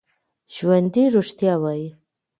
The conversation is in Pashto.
ژوندي رښتیا وايي